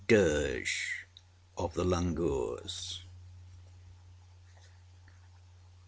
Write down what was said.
Dirge of the Langurs.